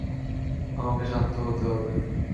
আমাকে শান্ত হতে হবে।